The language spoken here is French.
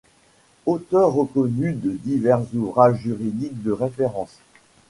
Auteur reconnu de divers ouvrages juridiques de référence.